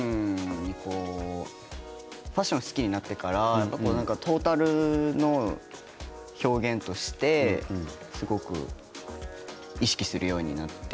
ファッションを好きになってからトータルの表現としてすごく意識するようになって。